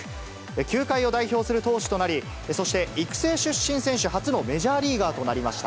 球界を代表する投手となり、そして育成出身選手初のメジャーリーガーとなりました。